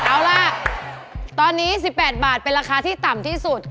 เอาล่ะตอนนี้๑๘บาทเป็นราคาที่ต่ำที่สุด